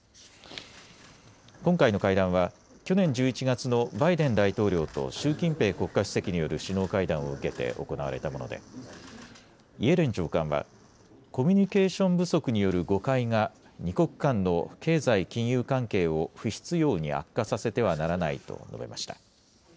今回の会談は去年１１月のバイデン大統領と習近平国家主席による首脳会談を受けて行われたものでイエレン長官はコミュニケーション不足による誤解が２国間の経済・金融関係を不必要に悪化させてはならないと述べました。